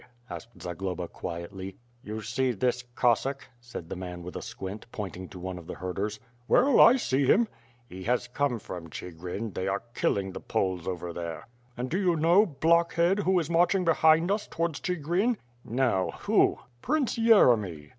asked Zagloba quietly. "You see this Cossack," said the man with a squint, point ing to one of the herders. "Well, I see him." "He has come from Chigrin, they are killing the Poles over there." "And do you know, blockhead, who is marching behind us towards Chigrin?" "No. Who?" "Prince Yeremy."